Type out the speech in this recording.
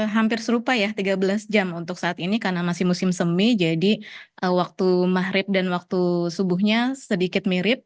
hampir serupa ya tiga belas jam untuk saat ini karena masih musim semi jadi waktu mahrib dan waktu subuhnya sedikit mirip